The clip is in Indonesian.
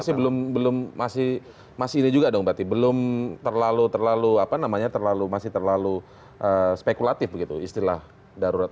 tapi sekarang ini masih ini juga dong bati belum terlalu apa namanya masih terlalu spekulatif begitu istilah darurat